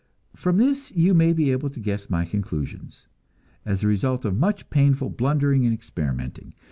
From this you may be able to guess my conclusions, as the result of much painful blundering and experimenting.